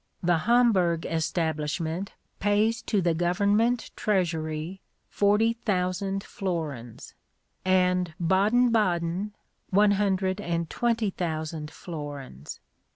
The Hamburg establishment pays to the government treasury forty thousand florins; and Baden Baden one hundred and twenty thousand florins.